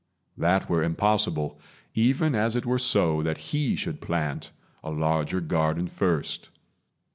That were impossible, Even as it were so that He should plant A larger garden first.